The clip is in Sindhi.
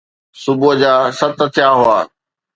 صبح جا ست ٿيا هئا.